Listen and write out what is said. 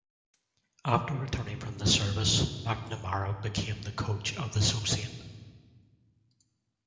After returning from the service, McNamara became the coach of the Sault Ste.